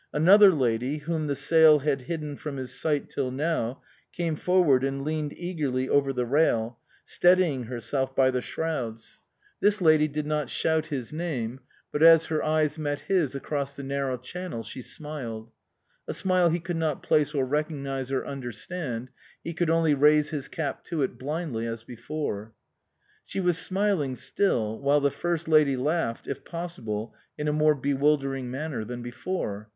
Another lady, whom the sail had hidden from his sight till now, came forward and leaned eagerly over the rail, steadying herself by the shrouds. This 151 THE COSMOPOLITAN lady did not shout his name ; but, as her eyes met his across the narrow channel, she smiled a smile he could not place or recognise or understand ; he could only raise his cap to it blindly as before. She was smiling still, while the first lady laughed, if possible in a more bewildering manner than before.